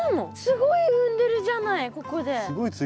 すごい産んでるじゃないここで。